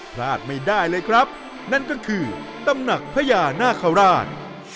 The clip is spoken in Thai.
พลาดไม่ได้เลยครับนั่นก็คือตำหนักพญานาคาราช